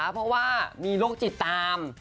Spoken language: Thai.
เพราะว่ามีโรคจิตตาม